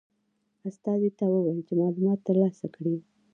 استازي ته وویل چې معلومات ترلاسه کړي.